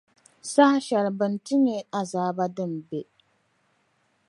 saha shɛli bɛ ni ti nya azaaba din be.